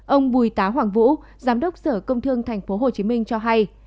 ông bùi tá hoàng vũ giám đốc sở công thương tp hcm cho hay